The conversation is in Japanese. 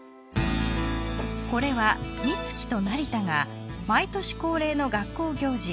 これは美月と成田が毎年恒例の学校行事